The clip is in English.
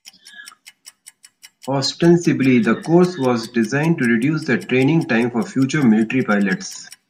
Ostensibly, the course was designed to reduce training time for future military pilots.